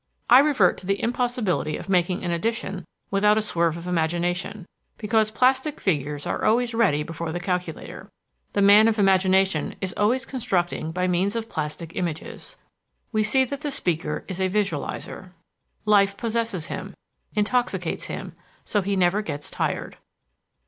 "I revert to the impossibility of making an addition without a swerve of imagination, because plastic figures are always ready before the calculator. The man of imagination is always constructing by means of plastic images. Life possesses him, intoxicates him, so he never gets tired."